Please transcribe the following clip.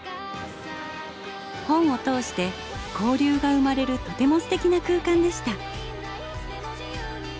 「本を通して交流が生まれるとてもステキな空間でした」。